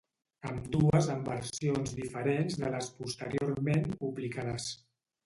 Ambdues en versions diferents de les posteriorment publicades.